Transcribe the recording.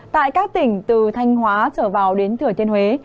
tại các tỉnh từ thanh hóa trở vào đến thửa tiên huế